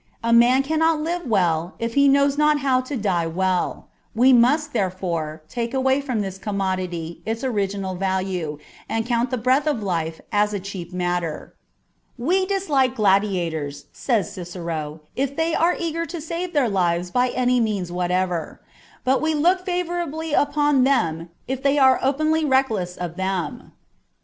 a man cannot live well if he knows not how to die well. We must, therefore, take away from this commodity its original value, and count the breath of life as a cheap matter. " We dislike gladia tors," says Cicero, " if they are eager to save their lives by any means whatever : but we look favourably upon them if they are openly reckless of them."